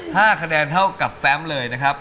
ห้าคะแนนเท่ากับแฟมเลยนะครับ